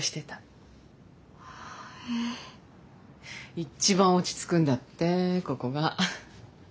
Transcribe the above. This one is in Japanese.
一番落ち着くんだってここが。